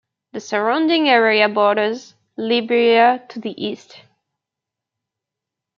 The surrounding area borders Liberia to the east.